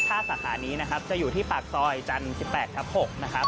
สาขานี้นะครับจะอยู่ที่ปากซอยจันทร์๑๘ทับ๖นะครับ